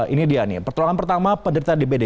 ini dia nih pertolongan pertama penderitaan dpd